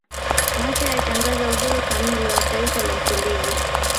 Machel alitangaza uhuru kamili wa taifa la Msumbiji